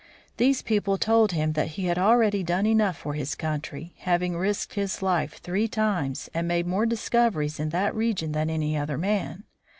These people told him that he had already done enough for his country, having risked his life three times, and made more discoveries in that region than any other man.